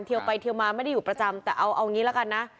เทียวไปเทียวมาไม่ได้อยู่ประจำแต่เอาเอาอย่างงี้แล้วกันนะ